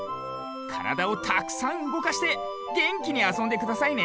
からだをたくさんうごかしてげんきにあそんでくださいね！